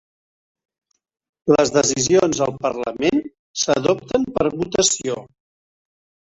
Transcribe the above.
Les decisions al parlament s'adopten per votació